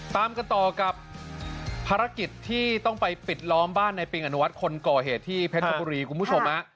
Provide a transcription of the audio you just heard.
ตามกันต่อกับภารกิจที่ต้องไปปิดล้อมบ้านในปิงอนุวัฒน์คนก่อเหตุที่เพชรบุรีคุณผู้ชม